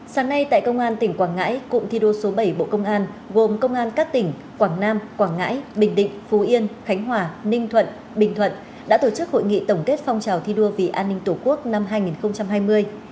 sáng nay tại công an tỉnh quảng ngãi cụm thi đua số bảy bộ công an gồm công an các tỉnh quảng nam quảng ngãi bình định phú yên khánh hòa ninh thuận bình thuận đã tổ chức hội nghị tổng kết phong trào thi đua vì an ninh tổ quốc năm hai nghìn hai mươi